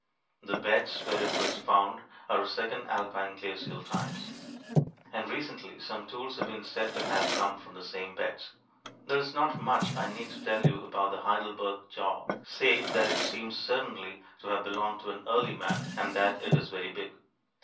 The beds where it was found are of second alpine glacial times, and recently some tools have been said to have come from the same beds. There is not much I need tell you about the Heidelberg jaw save that it seems certainly to have belonged to an early man, and that it is very big.